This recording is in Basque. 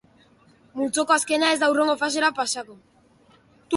Multzoko azkena ez da hurrengo fasera pasako.